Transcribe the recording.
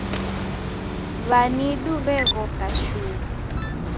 W'anidu w'eghoka shuu